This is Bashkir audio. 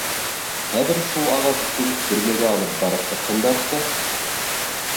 Хәҙер шул ағас өсөн төрмәгә алып барып тыҡһындарсы.